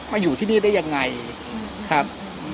มาอยู่ที่นี้ได้ยังไงอืมครับ